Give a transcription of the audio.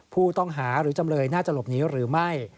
ผู้ต้องหาหรือจำเลยน่าจะหลบหนีหรือไม่